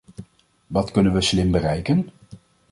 Wat kunnen we slim bereiken?